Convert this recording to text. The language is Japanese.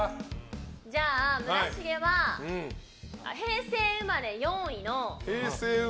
じゃあ、村重は平成生まれ４位の。